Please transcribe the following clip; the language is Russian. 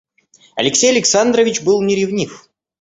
Алексей Александрович был не ревнив.